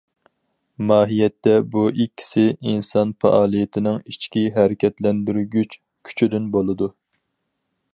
ماھىيەتتە بۇ ئىككىسى ئىنسان پائالىيىتىنىڭ ئىچكى ھەرىكەتلەندۈرگۈچ كۈچىدىن بولىدۇ.